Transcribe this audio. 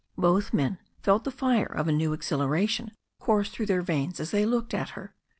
Both men felt the fire of a new exhilaration course through their veins as they looked at her.